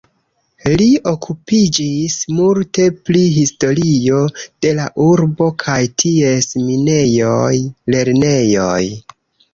Li okupiĝis multe pri historio de la urbo kaj ties minejoj, lernejoj.